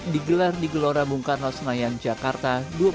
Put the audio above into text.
digelar di gelora bung karno senayan jakarta